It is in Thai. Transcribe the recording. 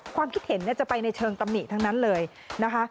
ความคิดเห็นจะไปในเชิงตำหนิทั้งนั้นเลยนะคะ